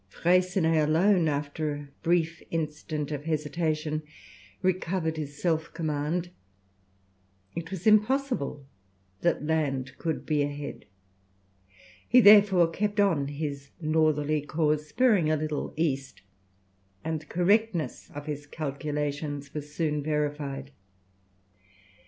Freycinet alone, after a brief instant of hesitation, recovered his self command. It was impossible that land could be ahead. He, therefore, kept on his northerly course, bearing a little east, and the correctness of his calculations was soon verified.